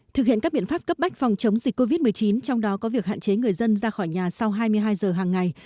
thực hiện các biện pháp cấp bách phòng chống dịch covid một mươi chín trong đó có việc hạn chế người dân ra khỏi nhà sau hai mươi hai giờ hàng ngày